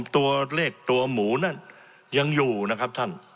ตัวเลขตัวหมูนั่นยังอยู่นะครับท่าน